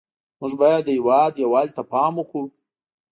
موږ باید د هېواد یووالي ته پام وکړو